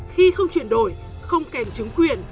khi không chuyển đổi không kèm chứng quyền